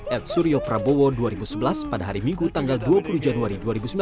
at suryo prabowo dua ribu sebelas pada hari minggu tanggal dua puluh januari dua ribu sembilan belas